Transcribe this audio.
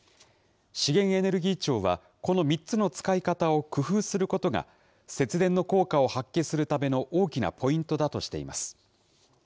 資源エネルギー庁は、この３つの使い方を工夫することが、節電の効果を発揮するための大きなポイントだとしています。